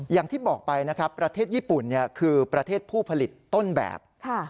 อย่างที่บอกไปนะครับประเทศญี่ปุ่นคือประเทศผู้ผลิตต้นแบบ